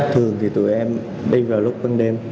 thường thì tụi em đi vào lúc bình đêm